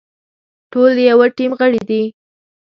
ټول د يوه ټيم غړي دي.